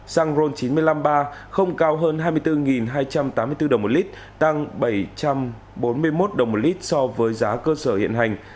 xăng ron chín trăm năm mươi ba không cao hơn hai mươi bốn hai trăm tám mươi bốn đồng một lít tăng bảy trăm bốn mươi một đồng một lít so với giá cơ sở hiện hành